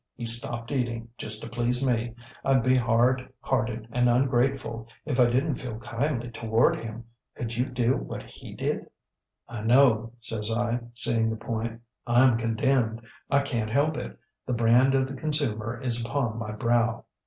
He stopped eating just to please me. IŌĆÖd be hard hearted and ungrateful if I didnŌĆÖt feel kindly toward him. Could you do what he did? ŌĆÖ ŌĆ£ŌĆśI know, ŌĆÖ says I, seeing the point, ŌĆśIŌĆÖm condemned. I canŌĆÖt help it. The brand of the consumer is upon my brow.